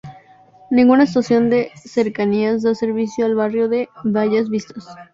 Ninguna estación de Cercanías da servicio al barrio de Bellas Vistas.